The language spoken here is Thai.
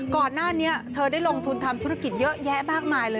ก่อนหน้านี้เธอได้ลงทุนทำธุรกิจเยอะแยะมากมายเลย